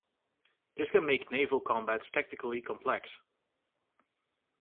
This can make naval combats tactically complex.